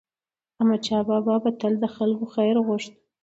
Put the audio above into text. احمدشاه بابا به تل د خلکو خیر غوښت.